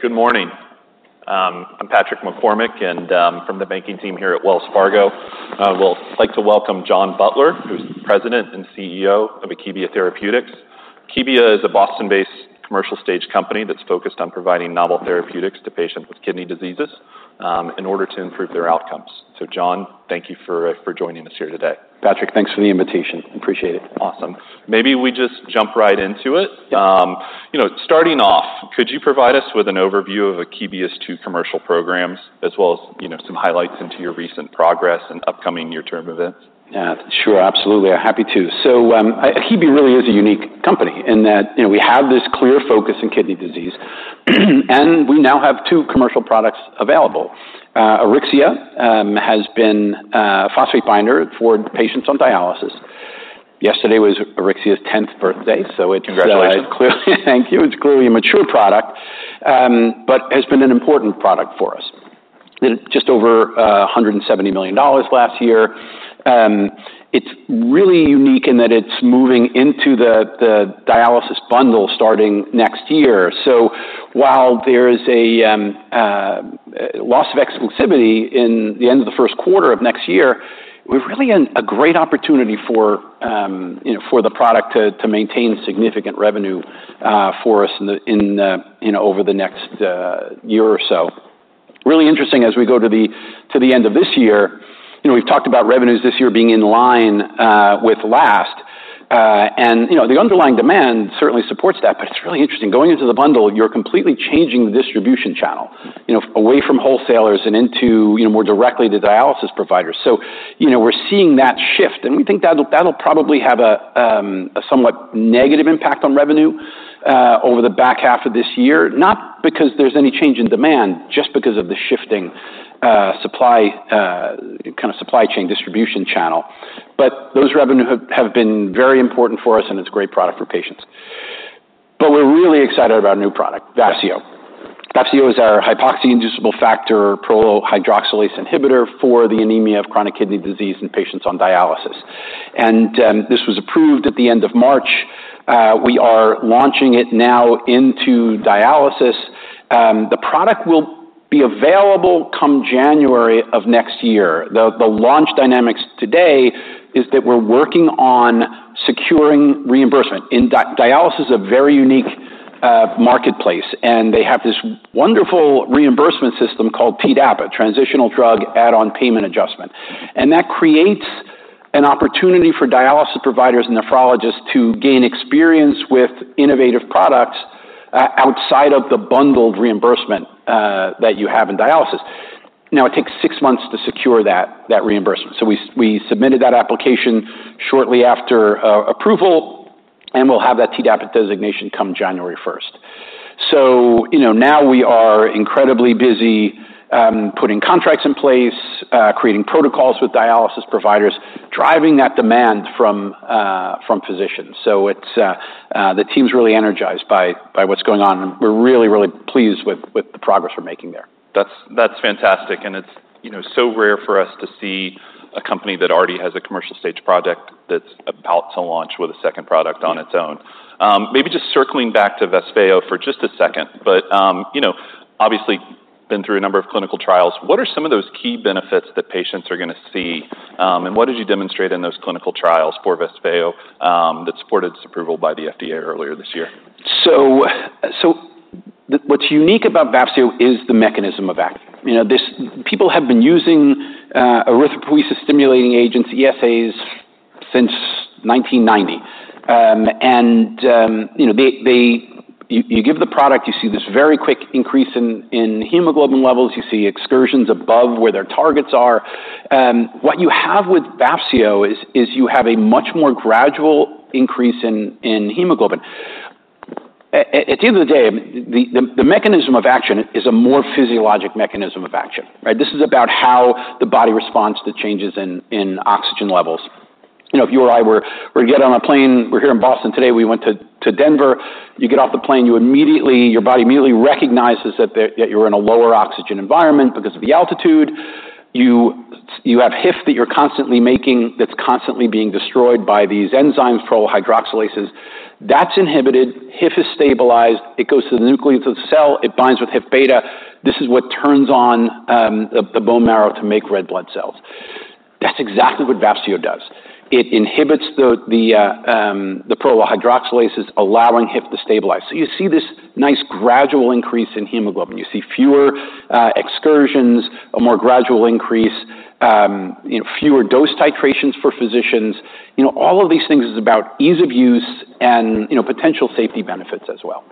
Good morning. I'm Patrick McCormick and from the banking team here at Wells Fargo. I will like to welcome John Butler, who's the President and CEO of Akebia Therapeutics. Akebia is a Boston-based commercial stage company that's focused on providing novel therapeutics to patients with kidney diseases, in order to improve their outcomes. So John thank you for joining us here today. Patrick thanks for the invitation. Appreciate it. Awesome. Maybe we just jump right into it. Yeah. You know starting off could you provide us with an overview of Akebia's two commercial programs, as well as you know some highlights into your recent progress and upcoming near-term events? Yeah, sure. Absolutely, I'm happy to so Akebia really is a unique company in that, you know we have this clear focus in kidney disease, and we now have two commercial products available. Auryxia has been a phosphate binder for patients on dialysis. Yesterday was Auryxia's tenth birthday, so it- Congratulations. Thank you. It's clearly a mature product, but has been an important product for us. Did just over $170 million last year. It's really unique in that it's moving into the dialysis bundle starting next year. So while there is a loss of exclusivity in the end of the first quarter of next year, we've really in a great opportunity for, you know for the product to maintain significant revenue for us in the, in you know over the next year or so. Really interesting as we go to the end of this year, you know we've talked about revenues this year being in line with last, and you know the underlying demand certainly supports that, but it's really interesting. Going into the bundle, you're completely changing the distribution channel, you kno way from wholesalers and into, you know, more directly to dialysis providers. So, you know, we're seeing that shift, and we think that'll probably have a somewhat negative impact on revenue over the back half of this year. Not because there's any change in demand, just because of the shifting supply kind of supply chain distribution channel. But those revenue have been very important for us, and it's a great product for patients. But we're really excited about a new product, Vafseo. Vafseo is our hypoxia-inducible factor prolyl hydroxylase inhibitor for the anemia of chronic kidney disease in patients on dialysis, and this was approved at the end of March. We are launching it now into dialysis. The product will be available come January of next year. The launch dynamics today is that we're working on securing reimbursement. In dialysis is a very unique marketplace, and they have this wonderful reimbursement system called TDAPA, Transitional Drug Add-on Payment Adjustment, and that creates an opportunity for dialysis providers and nephrologists to gain experience with innovative products outside of the bundled reimbursement that you have in dialysis. Now, it takes six months to secure that reimbursement, so we submitted that application shortly after approval, and we'll have that TDAPA designation come January 1st, so you know, now we are incredibly busy putting contracts in place, creating protocols with dialysis providers, driving that demand from physicians, so it's the team's really energized by what's going on, and we're really, really pleased with the progress we're making there. That's fantastic, and it's, you know, so rare for us to see a company that already has a commercial stage project that's about to launch with a second product on its own. Maybe just circling back to Vafseo for just a second, but, you know, obviously been through a number of clinical trials. What are some of those key benefits that patients are gonna see, and what did you demonstrate in those clinical trials for Vafseo, that supported its approval by the FDA earlier this year? What's unique about Vafseo is the mechanism of action. You know, this. People have been using erythropoiesis-stimulating agents, ESAs, since 1990. And you know, they you give the product, you see this very quick increase in hemoglobin levels. You see excursions above where their targets are. What you have with Vafseo is you have a much more gradual increase in hemoglobin. At the end of the day, the mechanism of action is a more physiologic mechanism of action right? This is about how the body responds to changes in oxygen levels. You know, if you or I were to get on a plane, we're here in Boston today, we went to Denver, you get off the plane, you immediately, your body immediately recognizes that you're in a lower oxygen environment because of the altitude. You have HIF that you're constantly making, that's constantly being destroyed by these enzymes, prolyl hydroxylases. That's inhibited. HIF is stabilized. It goes to the nucleus of the cell. It binds with HIF beta. This is what turns on the bone marrow to make red blood cells. That's exactly what Vafseo does. It inhibits the prolyl hydroxylases, allowing HIF to stabilize. So you see this nice gradual increase in hemoglobin. You see fewer excursions, a more gradual increase, you know fewer dose titrations for physicians. You know, all of these things is about ease of use and, you knowpotential safety benefits as well.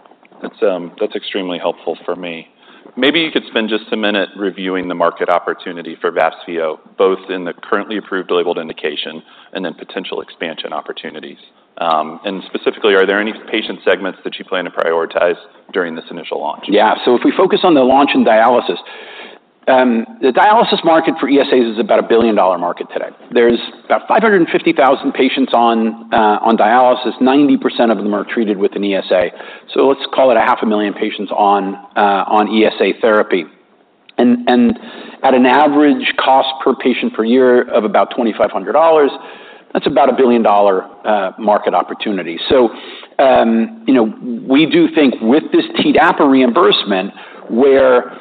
That's, that's extremely helpful for me. Maybe you could spend just a minute reviewing the market opportunity for Vafseo, both in the currently approved labeled indication and then potential expansion opportunities. And specifically, are there any patient segments that you plan to prioritize during this initial launch? Yeah. So if we focus on the launch in dialysis, the dialysis market for ESAs is about a $1 billion market today. There's about 550,000 patients on dialysis. 90% of them are treated with an ESA, so let's call it 500,000 patients on ESA therapy. And at an average cost per patient per year of about $2,500, that's about a $1 billion market opportunity. So, you know, we do think with this TDAPA reimbursement, where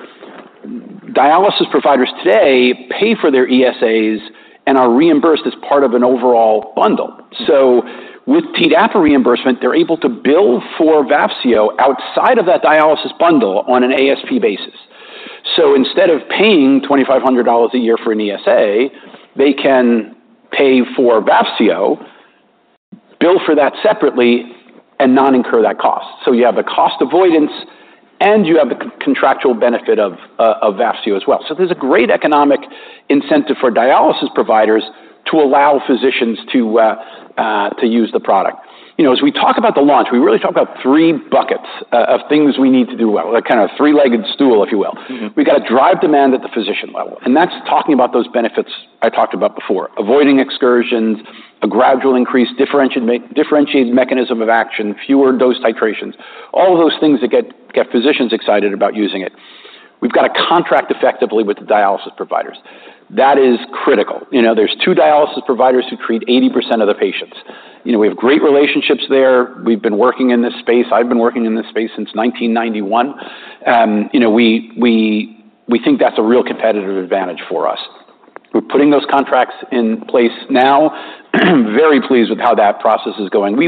dialysis providers today pay for their ESAs and are reimbursed as part of an overall bundle. So with TDAPA reimbursement, they're able to bill for Vafseo outside of that dialysis bundle on an ASP basis. So instead of paying $2,500 a year for an ESA, they can pay for Vafseo, bill for that separately, and not incur that cost. So you have a cost avoidance, and you have the contractual benefit of Vafseo as well. So there's a great economic incentive for dialysis providers to allow physicians to use the product. You know, as we talk about the launch, we really talk about three buckets of things we need to do well, like kind of a three-legged stool, if you will. Mm-hmm. We've got to drive demand at the physician level, and that's talking about those benefits I talked about before: avoiding excursions, a gradual increase, differentiated mechanism of action, fewer dose titrations, all of those things that get physicians excited about using it. We've got to contract effectively with the dialysis providers. That is critical. You know, there's two dialysis providers who treat 80% of the patients. You know, we have great relationships there. We've been working in this space. I've been working in this space since nineteen ninety-one. You know, we think that's a real competitive advantage for us. We're putting those contracts in place now. Very pleased with how that process is going. We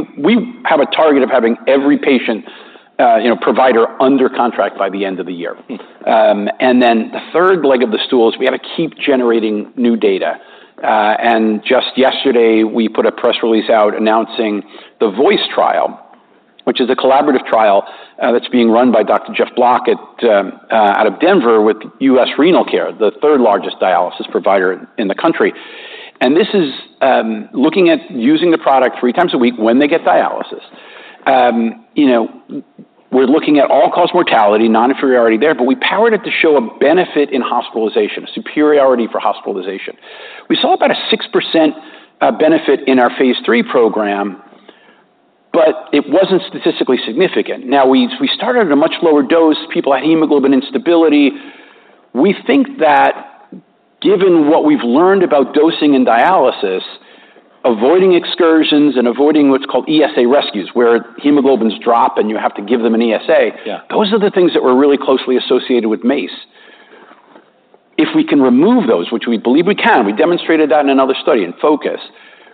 have a target of having every patient provider under contract by the end of the year. And then the third leg of the stool is we got to keep generating new data. And just yesterday, we put a press release out announcing the VOICE trial, which is a collaborative trial that's being run by Dr. Geoffrey Block out of Denver with US Renal Care, the third-largest dialysis provider in the country. And this is looking at using the product three times a week when they get dialysis. You know, we're looking at all-cause mortality, non-inferiority there, but we powered it to show a benefit in hospitalization, a superiority for hospitalization. We saw about a 6% benefit in our phase three program, but it wasn't statistically significant. Now, we started at a much lower dose, people had hemoglobin instability. We think that given what we've learned about dosing and dialysis, avoiding excursions and avoiding what's called ESA rescues, where hemoglobins drop, and you have to give them an ESA- Yeah. Those are the things that were really closely associated with MACE. If we can remove those, which we believe we can, we demonstrated that in another study, in FO2CUS,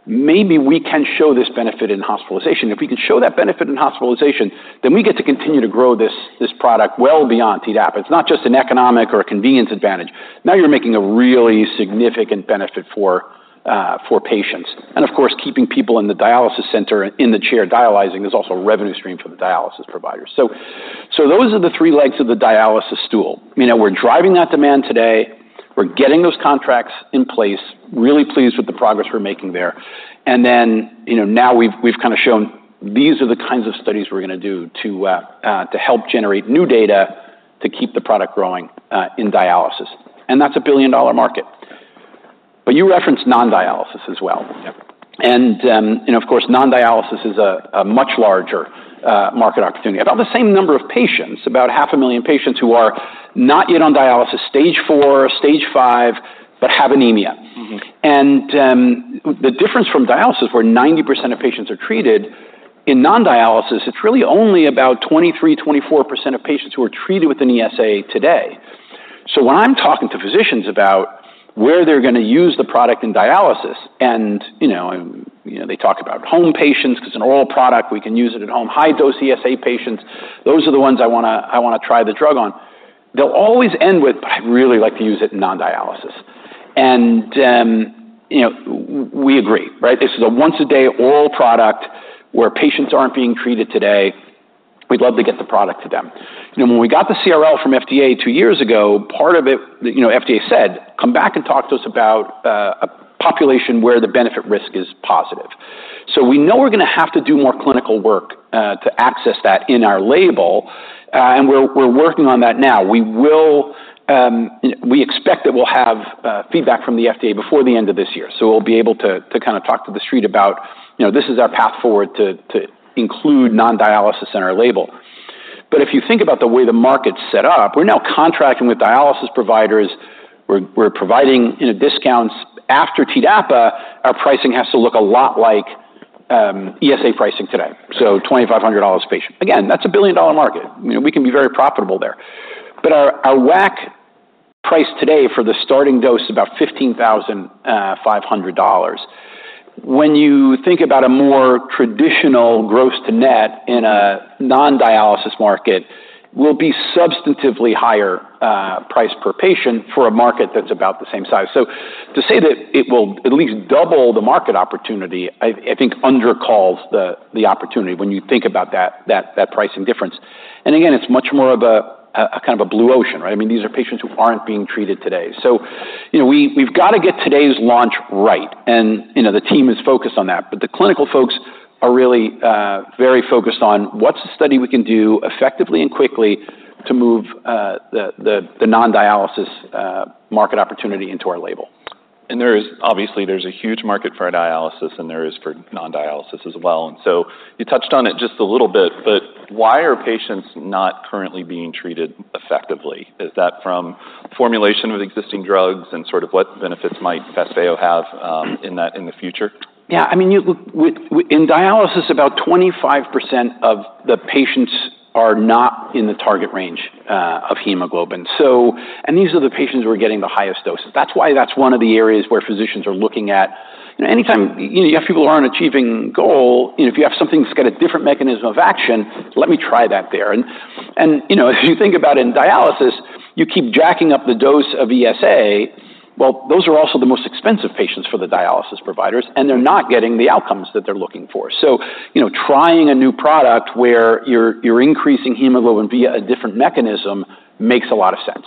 maybe we can show this benefit in hospitalization. If we can show that benefit in hospitalization, then we get to continue to grow this, this product well beyond TDAPA. It's not just an economic or a convenience advantage. Now you're making a really significant benefit for patients. And of course, keeping people in the dialysis center, in the chair dialyzing, is also a revenue stream for the dialysis providers. So those are the three legs of the dialysis stool. You know, we're driving that demand today. We're getting those contracts in place. Really pleased with the progress we're making there. And then, you know, now we've kind of shown these are the kinds of studies we're going to do to help generate new data to keep the product growing in dialysis. And that's a billion-dollar market. But you referenced non-dialysis as well. Yep. Of course, non-dialysis is a much larger market opportunity. About the same number of patients, about 500,000 patients who are not yet on dialysis, Stage four, Stage five, but have anemia. Mm-hmm. The difference from dialysis, where 90% of patients are treated, in non-dialysis, it's really only about 23-24% of patients who are treated with an ESA today. When I'm talking to physicians about where they're going to use the product in dialysis and, you know, they talk about home patients, because an oral product, we can use it at home, high-dose ESA patients, those are the ones I want to try the drug on. They'll always end with, "But I'd really like to use it in non-dialysis." You know, we agree, right? This is a once-a-day oral product where patients aren't being treated today. We'd love to get the product to them. You know, when we got the CRL from FDA two years ago, part of it, you know, FDA said, "Come back and talk to us about a population where the benefit-risk is positive." So we know we're going to have to do more clinical work to assess that in our label, and we're working on that now. We will. We expect that we'll have feedback from the FDA before the end of this year, so we'll be able to kind of talk to the street about, you know, this is our path forward to include non-dialysis in our label. But if you think about the way the market's set up, we're now contracting with dialysis providers. We're providing, you know, discounts. After TDAPA, our pricing has to look a lot like ESA pricing today, so $2,500 a patient. Again, that's a billion-dollar market. You know, we can be very profitable there. But our WAC price today for the starting dose is about $15,500. When you think about a more traditional gross to net in a non-dialysis market, will be substantively higher price per patient for a market that's about the same size. So to say that it will at least double the market opportunity, I think undercalls the opportunity when you think about that pricing difference. And again, it's much more of a kind of a blue ocean, right? I mean, these are patients who aren't being treated today. So, you know, we've got to get today's launch right, and, you know, the team is focused on that. But the clinical folks are really very focused on what's the study we can do effectively and quickly to move the non-dialysis market opportunity into our label? ... And there is, obviously, there's a huge market for dialysis, and there is for non-dialysis as well. And so you touched on it just a little bit, but why are patients not currently being treated effectively? Is that from formulation of existing drugs and sort of what benefits might Vafseo have, in that, in the future? Yeah, I mean, in dialysis, about 25% of the patients are not in the target range of hemoglobin. So, these are the patients who are getting the highest doses. That's why one of the areas where physicians are looking at. You know, anytime, you know, you have people who aren't achieving goal, you know, if you have something that's got a different mechanism of action, let me try that there. And, you know, if you think about in dialysis, you keep jacking up the dose of ESA, well, those are also the most expensive patients for the dialysis providers, and they're not getting the outcomes that they're looking for. So, you know, trying a new product where you're increasing hemoglobin via a different mechanism makes a lot of sense.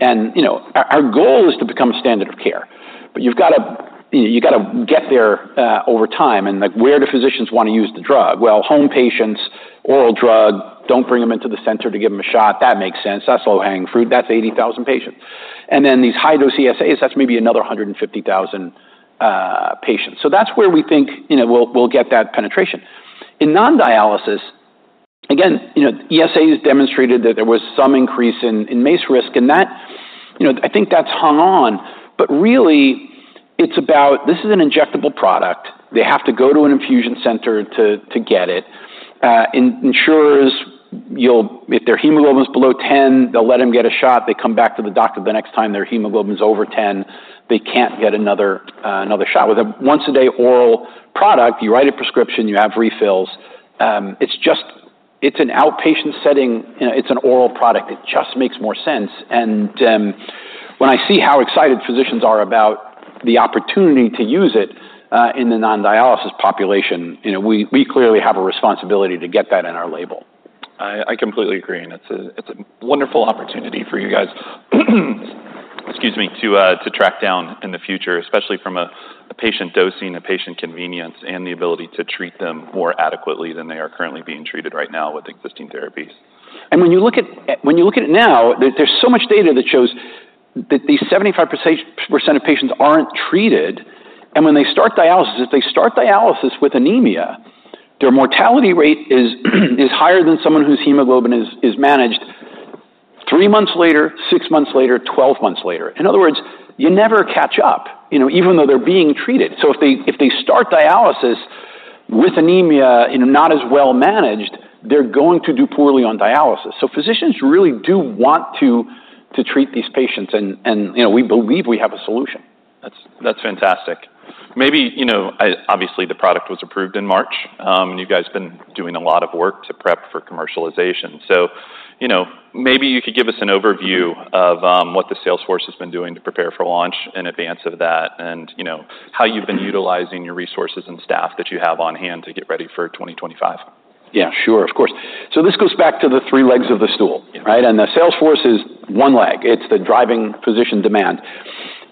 And you know, our goal is to become a standard of care. But you've got to, you know, get there over time, and like, where do physicians want to use the drug? Well, home patients, oral drug, don't bring them into the center to give them a shot. That makes sense. That's low-hanging fruit. That's 80,000 patients. And then these high-dose ESAs, that's maybe another 150,000 patients. So that's where we think, you know, we'll get that penetration. In non-dialysis, again, you know, ESAs demonstrated that there was some increase in MACE risk, and that, you know, I think that's hung on. But really, it's about... This is an injectable product. They have to go to an infusion center to get it. In insurers, you'll, if their hemoglobin is below 10, they'll let them get a shot. They come back to the doctor the next time their hemoglobin is over 10, they can't get another shot. With a once-a-day oral product, you write a prescription, you have refills. It's just, it's an outpatient setting. You know, it's an oral product. It just makes more sense, and when I see how excited physicians are about the opportunity to use it in the non-dialysis population, you know, we clearly have a responsibility to get that in our label. I completely agree, and it's a wonderful opportunity for you guys, excuse me, to track down in the future, especially from a patient dosing, patient convenience, and the ability to treat them more adequately than they are currently being treated right now with existing therapies. When you look at it now, there's so much data that shows that these 75% of patients aren't treated, and when they start dialysis, if they start dialysis with anemia, their mortality rate is higher than someone whose hemoglobin is managed three months later, six months later, twelve months later. In other words, you never catch up, you know, even though they're being treated. So if they start dialysis with anemia and not as well managed, they're going to do poorly on dialysis. So physicians really do want to treat these patients, and you know, we believe we have a solution. That's, that's fantastic. Maybe, you know, obviously, the product was approved in March. You guys been doing a lot of work to prep for commercialization. So, you know, maybe you could give us an overview of what the sales force has been doing to prepare for launch in advance of that, and you know, how you've been utilizing your resources and staff that you have on hand to get ready for twenty twenty-five. Yeah, sure. Of course. So this goes back to the three legs of the stool, right? Yeah. And the sales force is one leg. It's the driving physician demand.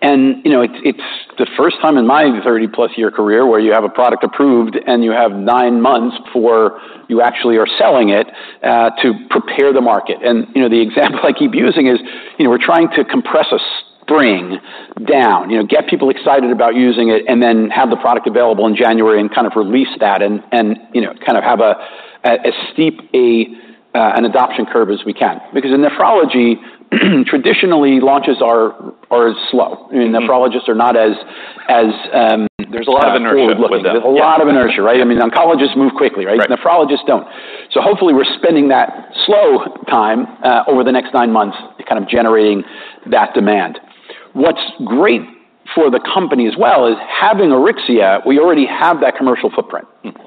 And, you know, it's the first time in my thirty-plus year career where you have a product approved, and you have nine months before you actually are selling it to prepare the market. And, you know, the example I keep using is, you know, we're trying to compress a spring down, you know, get people excited about using it, and then have the product available in January and kind of release that and, you know, kind of have as steep an adoption curve as we can. Because in nephrology, traditionally, launches are slow. Mm-hmm. I mean, nephrologists are not as There's a lot of inertia with them. There's a lot of inertia, right? I mean, oncologists move quickly, right? Right. Nephrologists don't. So hopefully, we're spending that slow time over the next nine months, kind of generating that demand. What's great for the company as well is having Auryxia, we already have that commercial footprint. Mm-hmm.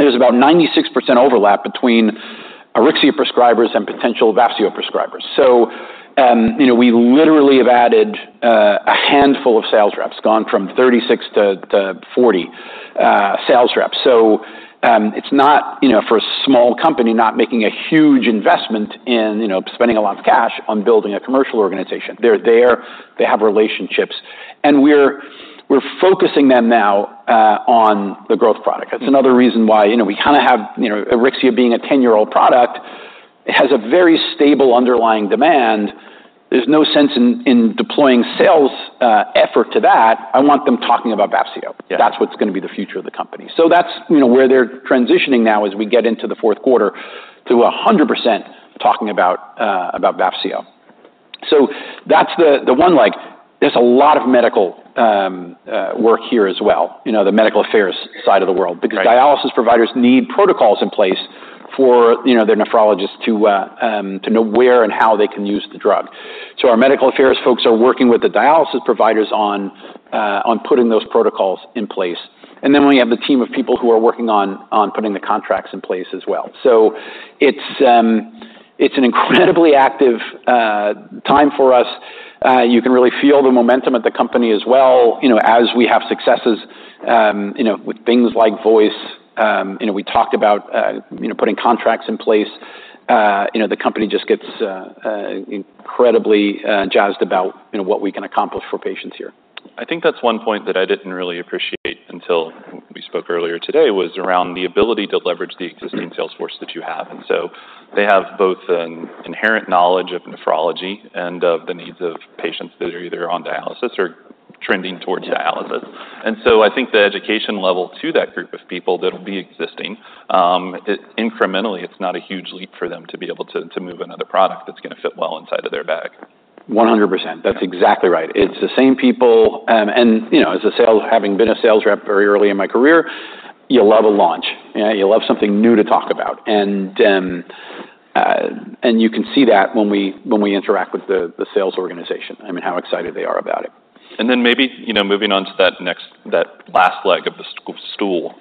There's about 96% overlap between Auryxia prescribers and potential Vafseo prescribers. So, you know, we literally have added a handful of sales reps, gone from 36 to 40 sales reps. So, it's not, you know, for a small company, not making a huge investment in, you know, spending a lot of cash on building a commercial organization. They're there, they have relationships, and we're focusing them now on the growth product. Mm-hmm. That's another reason why, you know, we kinda have, you know, Auryxia being a ten-year-old product, has a very stable underlying demand. There's no sense in deploying sales effort to that. I want them talking about Vafseo. Yeah. That's what's gonna be the future of the company. So that's, you know, where they're transitioning now as we get into the fourth quarter to 100% talking about Vafseo. So that's the one leg. There's a lot of medical work here as well, you know, the medical affairs side of the world. Right. Because dialysis providers need protocols in place for, you know, their nephrologists to to know where and how they can use the drug. So our medical affairs folks are working with the dialysis providers on, on putting those protocols in place. And then we have the team of people who are working on, on putting the contracts in place as well. So it's, it's an incredibly active, time for us. You can really feel the momentum of the company as well, you know, as we have successes, you know, with things like VOICE. You know, we talked about, you know, putting contracts in place. You know, the company just gets, incredibly, jazzed about, you know, what we can accomplish for patients here. I think that's one point that I didn't really appreciate until we spoke earlier today, was around the ability to leverage the existing- Mm-hmm... sales force that you have. And so they have both an inherent knowledge of nephrology and of the needs of patients that are either on dialysis or-... trending towards dialysis. And so I think the education level to that group of people that will be existing, incrementally, it's not a huge leap for them to be able to, to move another product that's gonna fit well inside of their bag. 100%. That's exactly right. It's the same people, and, you know, having been a sales rep very early in my career, you love a launch, and you love something new to talk about. And you can see that when we interact with the sales organization, I mean, how excited they are about it. And then maybe, you know, moving on to that next, that last leg of the stool.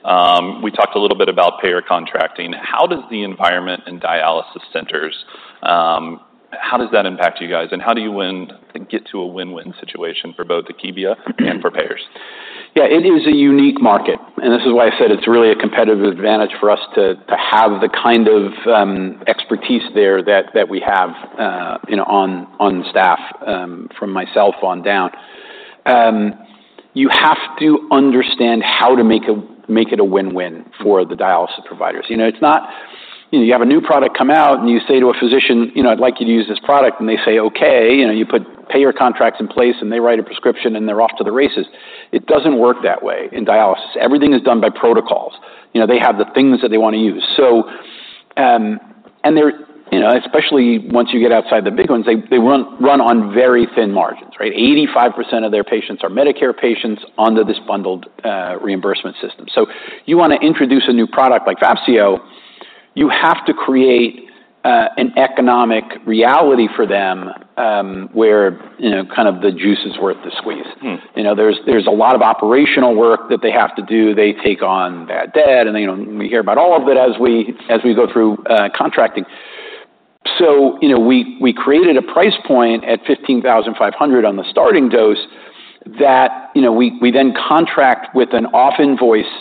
We talked a little bit about payer contracting. How does the environment and dialysis centers, how does that impact you guys? And how do you win, get to a win-win situation for both Akebia and for payers? Yeah, it is a unique market, and this is why I said it's really a competitive advantage for us to have the kind of expertise there that we have, you know, on staff, from myself on down. You have to understand how to make it a win-win for the dialysis providers. You know, it's not... You have a new product come out, and you say to a physician, "You know, I'd like you to use this product," and they say, "Okay." You know, you put payer contracts in place, and they write a prescription, and they're off to the races. It doesn't work that way in dialysis. Everything is done by protocols. You know, they have the things that they want to use. So, and they're, you know, especially once you get outside the big ones, they run on very thin margins, right? 85% of their patients are Medicare patients under this bundled reimbursement system. So you want to introduce a new product like Vafseo, you have to create an economic reality for them, where, you know, kind of the juice is worth the squeeze. Mm. You know, there's a lot of operational work that they have to do. They take on bad debt, and, you know, we hear about all of it as we go through contracting. So, you know, we created a price point at $15,500 on the starting dose that, you know, we then contract with an off-invoice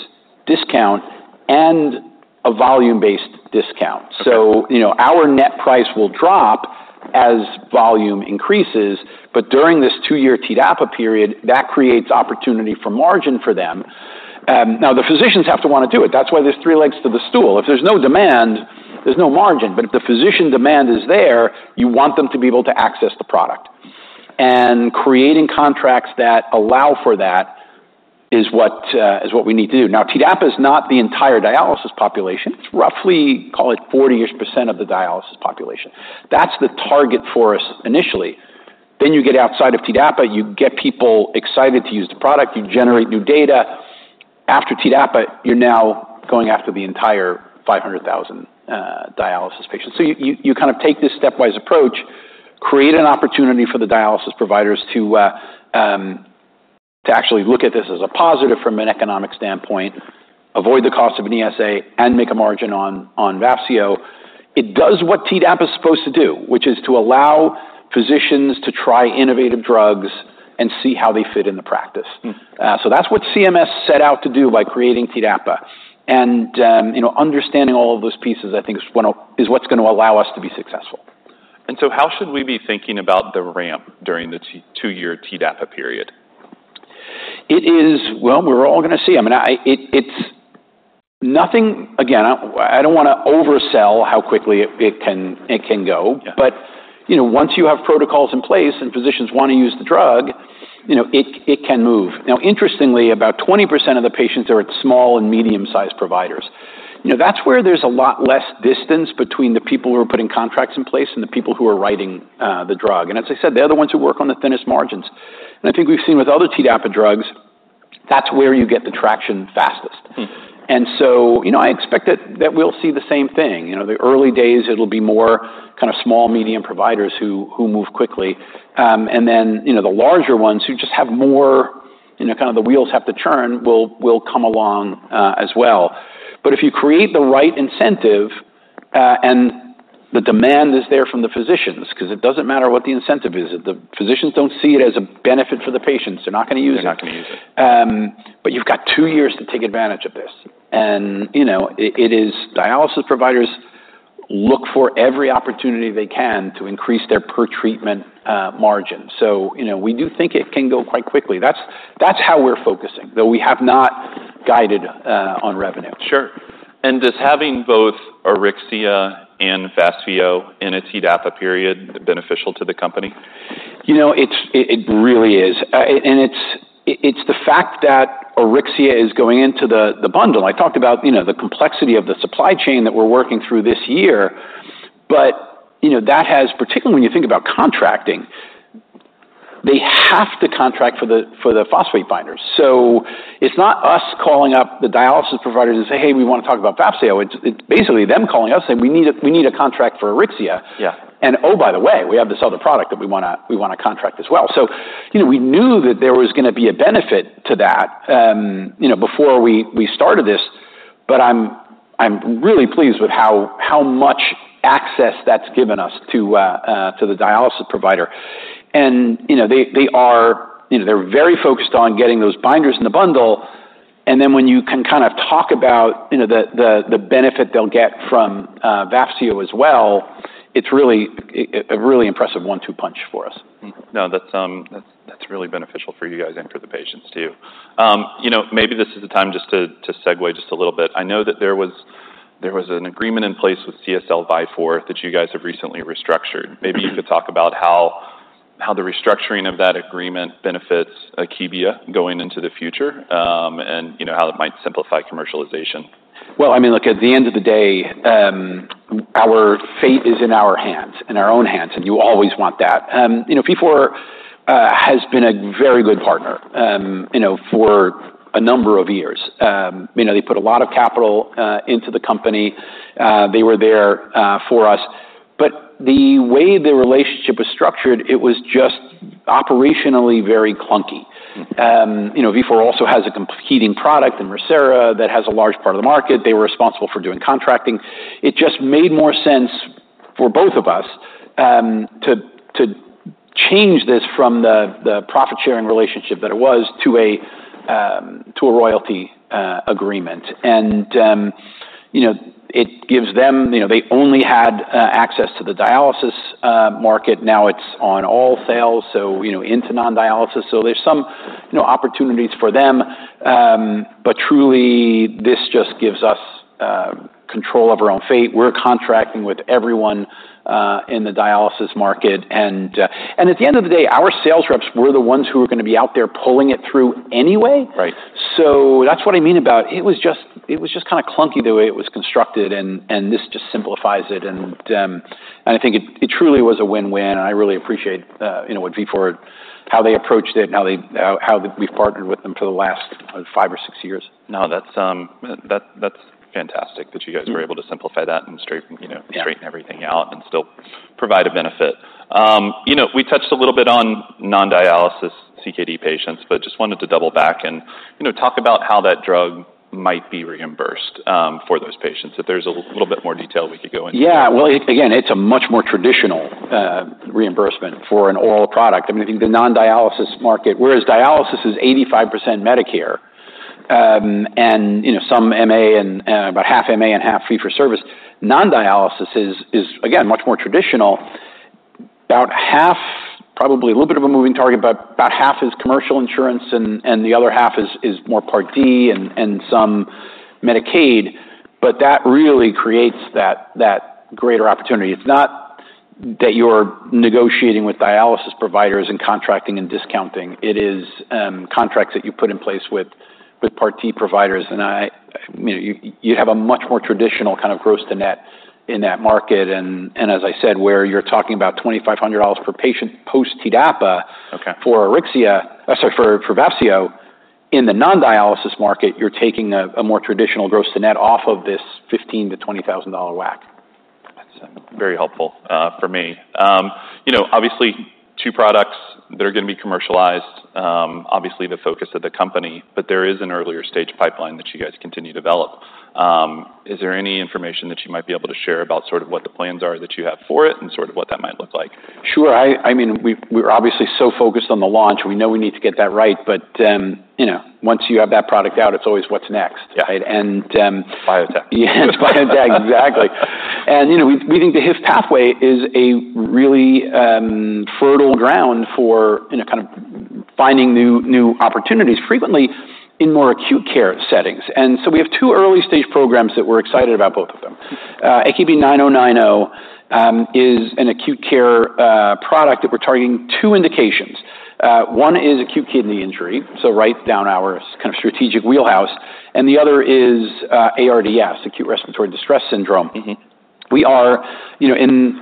discount and a volume-based discount. So, you know, our net price will drop as volume increases, but during this two-year TDAPA period, that creates opportunity for margin for them. Now, the physicians have to want to do it. That's why there's three legs to the stool. If there's no demand, there's no margin, but if the physician demand is there, you want them to be able to access the product. Creating contracts that allow for that is what is what we need to do. Now, TDAPA is not the entire dialysis population. It's roughly, call it 40-ish% of the dialysis population. That's the target for us initially. Then you get outside of TDAPA, you get people excited to use the product, you generate new data. After TDAPA, you're now going after the entire five hundred thousand dialysis patients. So you kind of take this stepwise approach, create an opportunity for the dialysis providers to actually look at this as a positive from an economic standpoint, avoid the cost of an ESA and make a margin on Vafseo. It does what TDAPA is supposed to do, which is to allow physicians to try innovative drugs and see how they fit in the practice. Mm. So that's what CMS set out to do by creating TDAPA. And, you know, understanding all of those pieces, I think, is what's gonna allow us to be successful. How should we be thinking about the ramp during the two-year TDAPA period? Well, we're all gonna see. I mean, it's nothing. Again, I don't wanna oversell how quickly it can go. Yeah. But, you know, once you have protocols in place and physicians want to use the drug, you know, it, it can move. Now, interestingly, about 20% of the patients are at small and medium-sized providers. You know, that's where there's a lot less distance between the people who are putting contracts in place and the people who are writing the drug. And as I said, they're the ones who work on the thinnest margins. And I think we've seen with other TDAPA drugs, that's where you get the traction fastest. Mm. And so, you know, I expect that we'll see the same thing. You know, the early days, it'll be more kind of small, medium providers who move quickly. And then, you know, the larger ones who just have more, you know, kind of the wheels have to turn, will come along, as well. But if you create the right incentive, and the demand is there from the physicians, because it doesn't matter what the incentive is, if the physicians don't see it as a benefit for the patients, they're not gonna use it. They're not gonna use it. But you've got two years to take advantage of this. And you know, it is dialysis providers look for every opportunity they can to increase their per treatment margin. So you know, we do think it can go quite quickly. That's how we're focusing, though we have not guided on revenue. Sure. And does having both Auryxia and Vafseo in its TDAPA period beneficial to the company? You know, it really is. And it's the fact that Auryxia is going into the bundle. I talked about, you know, the complexity of the supply chain that we're working through this year, but, you know, that has, particularly when you think about contracting, they have to contract for the phosphate binders. So it's not us calling up the dialysis providers and say: Hey, we want to talk about Vafseo. It's basically them calling us saying, "We need a contract for Auryxia. Yeah. And, oh, by the way, we have this other product that we wanna contract as well." So, you know, we knew that there was gonna be a benefit to that, you know, before we started this, but I'm really pleased with how much access that's given us to the dialysis provider. And, you know, they are, you know, they're very focused on getting those binders in the bundle, and then when you can kind of talk about, you know, the benefit they'll get from Vafseo as well, it's really a really impressive one-two punch for us. Mm-hmm. No, that's really beneficial for you guys and for the patients, too. You know, maybe this is the time just to segue just a little bit. I know that there was an agreement in place with CSL Vifor that you guys have recently restructured. Maybe you could talk about how the restructuring of that agreement benefits Akebia going into the future, and you know, how that might simplify commercialization? I mean, look, at the end of the day, our fate is in our hands, in our own hands, and you always want that. You know, Vifor has been a very good partner, you know, for a number of years. You know, they put a lot of capital into the company. They were there for us. But the way the relationship was structured, it was just operationally very clunky. Mm-hmm. You know, Vifor also has a competing product in Mircera that has a large part of the market. They were responsible for doing contracting. It just made more sense for both of us to change this from the profit-sharing relationship that it was to a royalty agreement. You know, it gives them. You know, they only had access to the dialysis market. Now, it's on all sales, so you know, into non-dialysis. So there's some you know, opportunities for them. But truly, this just gives us control of our own fate. We're contracting with everyone in the dialysis market. At the end of the day, our sales reps were the ones who were gonna be out there pulling it through anyway. Right. So that's what I mean about it was just kind of clunky the way it was constructed, and this just simplifies it, and I think it truly was a win-win, and I really appreciate you know with Vifor how they approached it and how we've partnered with them for the last five or six years. No, that's fantastic that you guys- Mm... were able to simplify that and straighten, you know- Yeah... straighten everything out and still provide a benefit. You know, we touched a little bit on non-dialysis CKD patients, but just wanted to double back and, you know, talk about how that drug might be reimbursed for those patients, if there's a little bit more detail we could go into. Yeah. Well, Again, it's a much more traditional reimbursement for an oral product. I mean, I think the non-dialysis market. Whereas dialysis is 85% Medicare, and, you know, some MA and, and about half MA and half fee-for-service, non-dialysis is, again, much more traditional. About half, probably a little bit of a moving target, but about half is commercial insurance, and, and the other half is, more Part D and, and some Medicaid. But that really creates that, that greater opportunity. It's not that you're negotiating with dialysis providers and contracting and discounting. It is, contracts that you put in place with, with Part D providers, and I. I mean, you, you have a much more traditional kind of gross to net in that market. And, and as I said, where you're talking about $2,500 per patient post-TDAPA- Okay... for Auryxia, for Vafseo, in the non-dialysis market, you're taking a more traditional gross to net off of this $15,000-$20,000 WAC. That's very helpful for me. You know, obviously, two products that are gonna be commercialized, obviously the focus of the company, but there is an earlier stage pipeline that you guys continue to develop. Is there any information that you might be able to share about sort of what the plans are that you have for it and sort of what that might look like? Sure. I mean, we're obviously so focused on the launch. We know we need to get that right, but, you know, once you have that product out, it's always, "What's next? Yeah. Right? And, Biotech. Yeah, biotech. Exactly. And, you know, we think the HIF pathway is a really fertile ground for, you know, kind of finding new opportunities, frequently in more acute care settings. And so we have two early-stage programs that we're excited about both of them. AKB-9090 is an acute care product that we're targeting two indications. One is acute kidney injury, so right down our kind of strategic wheelhouse, and the other is ARDS, acute respiratory distress syndrome. Mm-hmm. We are, you know, in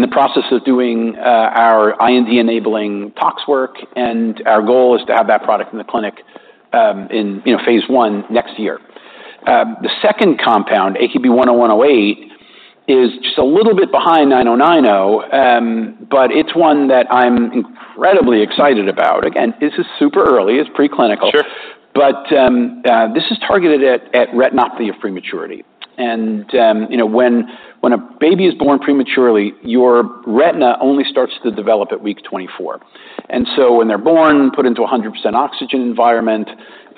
the process of doing our IND-enabling tox work, and our goal is to have that product in the clinic, you know, phase one next year. The second compound, AKB-10108, is just a little bit behind AKB-9090, but it's one that I'm incredibly excited about. Again, this is super early. It's preclinical. Sure. But this is targeted at retinopathy of prematurity. And you know, when a baby is born prematurely, your retina only starts to develop at week 24. And so when they're born, put into 100% oxygen environment,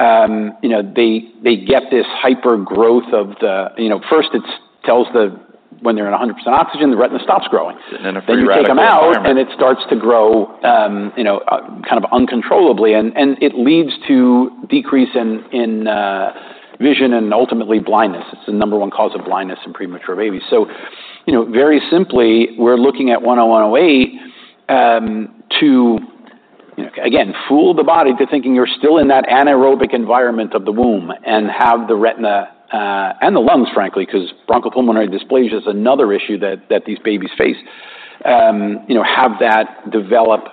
you know, they get this hyper growth of the. You know, first, it tells the, when they're in 100% oxygen, the retina stops growing. And then a free radical environment. Then you take them out, and it starts to grow, you know, kind of uncontrollably, and it leads to decrease in vision and ultimately blindness. It's the number one cause of blindness in premature babies. So, you know, very simply, we're looking at 10108 to, you know, again, fool the body into thinking you're still in that anaerobic environment of the womb and have the retina and the lungs, frankly, 'cause bronchopulmonary dysplasia is another issue that these babies face, you know, have that develop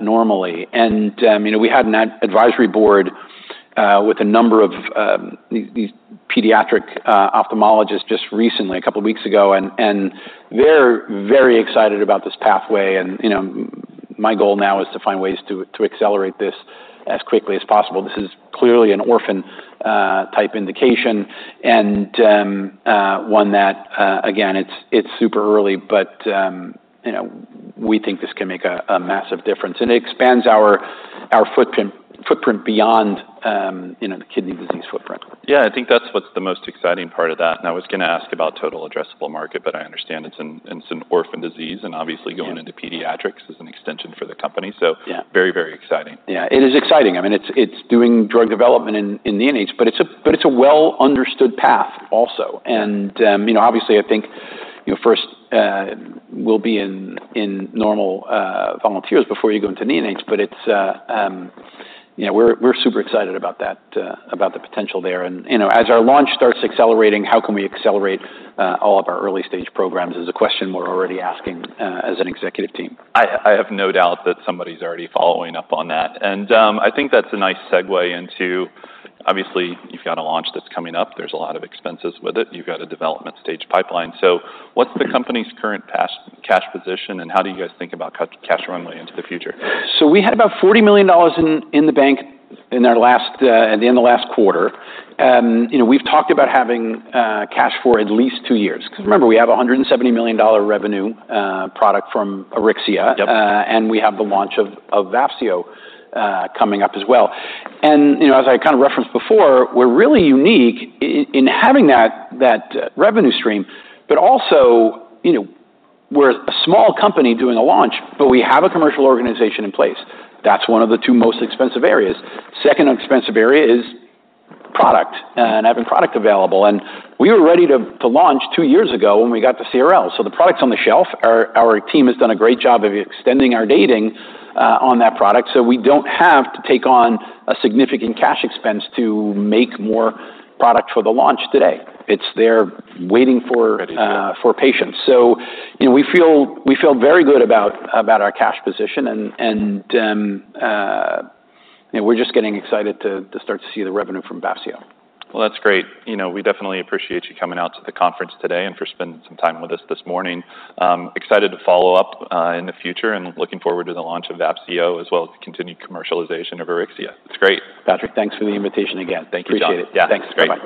normally. And, you know, we had an advisory board with a number of these pediatric ophthalmologists just recently, a couple weeks ago, and they're very excited about this pathway. And, you know, my goal now is to find ways to accelerate this as quickly as possible. This is clearly an orphan-type indication and one that again it's super early, but you know we think this can make a massive difference. And it expands our footprint beyond you know the kidney disease footprint. Yeah, I think that's what's the most exciting part of that. And I was gonna ask about total addressable market, but I understand it's an, it's an orphan disease, and obviously- Yeah... going into pediatrics is an extension for the company, so... Yeah... very, very exciting. Yeah, it is exciting. I mean, it's doing drug development in the neph, but it's a well-understood path also. Yeah. You know, obviously, you know, first, we'll be in normal volunteers before you go into neonates. But it's, you know, we're super excited about that, about the potential there. And, you know, as our launch starts accelerating, how can we accelerate all of our early stage programs, is a question we're already asking, as an executive team. I have no doubt that somebody's already following up on that. I think that's a nice segue into obviously, you've got a launch that's coming up. There's a lot of expenses with it. You've got a development stage pipeline. So what's the company's current cash position, and how do you guys think about cash runway into the future? We had about $40 million in the bank at the end of the last quarter. You know, we've talked about having cash for at least two years. Mm-hmm. Because remember, we have a $170 million revenue product from Auryxia. Yep. And we have the launch of Vafseo coming up as well. And, you know, as I kind of referenced before, we're really unique in having that revenue stream, but also, you know, we're a small company doing a launch, but we have a commercial organization in place. That's one of the two most expensive areas. Second expensive area is product and having product available, and we were ready to launch two years ago when we got the CRL. So the product's on the shelf. Our team has done a great job of extending our dating on that product, so we don't have to take on a significant cash expense to make more product for the launch today. It's there waiting for- Ready, yeah. for patients. So, you know, we feel very good about our cash position and, you know, we're just getting excited to start to see the revenue from Vafseo. Well, that's great. You know, we definitely appreciate you coming out to the conference today and for spending some time with us this morning. Excited to follow up, in the future, and looking forward to the launch of Vafseo, as well as the continued commercialization of Auryxia. It's great. Patrick, thanks for the invitation again. Thank you, John. Appreciate it. Yeah. Thanks. Great. Bye-bye.